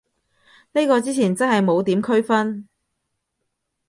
呢個之前真係冇點區分